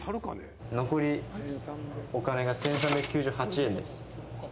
残りお金が１，３９８円です。